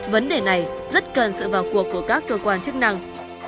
vấn đề này rất cần sự vào cuộc của các cơ quan chức năng